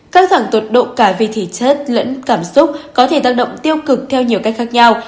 căng thẳng tột độ cả về thể chất lẫn cảm xúc có thể tăng động tiêu cực theo nhiều cách khác nhau